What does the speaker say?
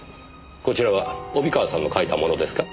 こちらは帯川さんの書いたものですか？